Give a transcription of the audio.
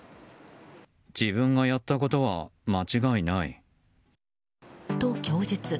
自分がやったことは間違いない。と供述。